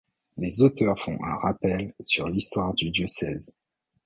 Les auteurs font un rappel sur l'histoire du diocèse.